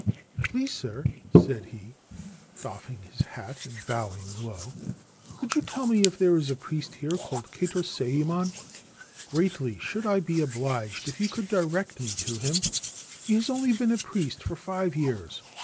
* Please, sir/ said he, doffing his hat and bowing low, ' could you tell me if there is a priest here called Kato Sayemon? Greatly should I be obliged if you could direct me to him. He has only been a priest for five years.